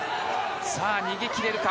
さあ、逃げ切れるか。